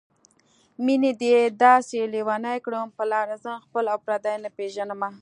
مينې دې داسې لېونی کړم په لاره ځم خپل او پردي نه پېژنمه